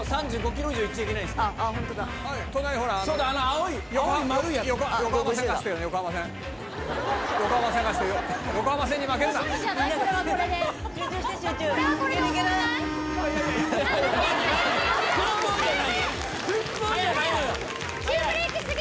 ３５キロ以上いっちゃいけないです。